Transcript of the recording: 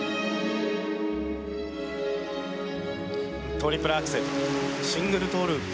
トリプルアクセルシングルトーループ。